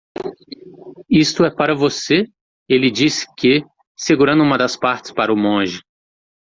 "Isto é para você?" ele disse que? segurando uma das partes para o monge.